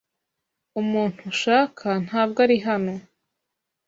Umuntu ushaka ntabwo ari hano.